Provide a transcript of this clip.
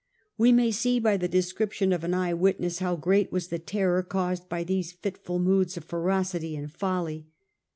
We may see by the description of an eye witness how great was the terror caused by these fitful moods of fero city and folly.